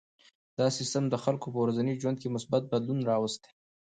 دا سیستم د خلکو په ورځني ژوند کې مثبت بدلون راوستی.